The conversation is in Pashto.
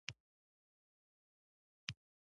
يو د بل سره تړلي دي!!.